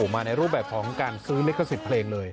มาในรูปแบบของการซื้อลิขสิทธิ์เพลงเลย